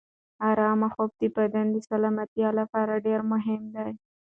ارامه خوب د بدن د سلامتیا لپاره ډېر مهم دی.